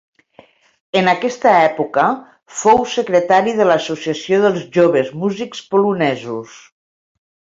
En aquesta època fou secretari de l'Associació dels Joves Músics Polonesos.